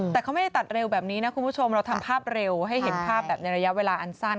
แต่เขาไม่ได้ตัดเร็วแบบนี้นะคุณผู้ชมเราทำภาพเร็วให้เห็นภาพแบบในระยะเวลาอันสั้น